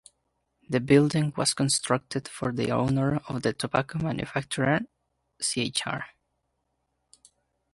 The building was constructed for the owner of the tobacco manufacturer Chr.